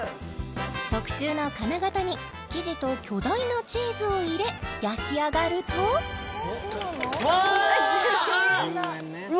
特注の金型に生地と巨大なチーズを入れ焼き上がると・わ！